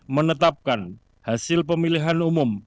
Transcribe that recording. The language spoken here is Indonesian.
menetapkan hasil pemilihan umum